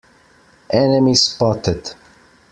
Enemy spotted!